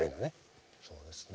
そうですね。